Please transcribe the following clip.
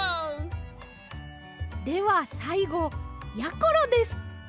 ではさいごやころです。